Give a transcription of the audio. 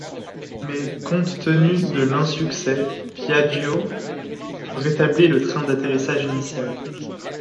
Mais compte tenu de l'insuccès, Piaggio rétablit le train d'atterrissage initial.